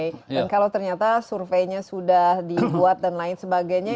dan kalau ternyata surveinya sudah dibuat dan lain sebagainya